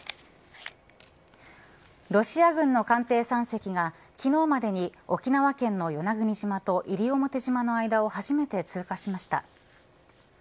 ロシア軍の艦艇３隻が昨日までに沖縄県の与那国島と西表島の間を初めて通過しました。